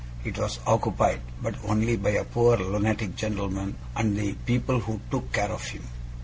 It was occupied, but only by a poor lunatic gentleman, and the people who took care of him.